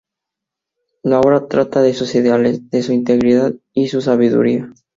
La obra trata de sus ideales, de su integridad y su sabiduría.